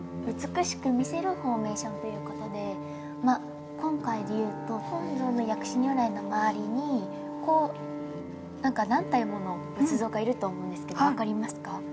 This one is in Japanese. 「美しく魅せるフォーメーション」ということで今回でいうと本尊の薬師如来の周りにこうなんか何体もの仏像がいると思うんですけど分かりますか？